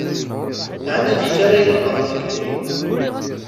Ɛni d kečč ara ydebbṛen fell-i?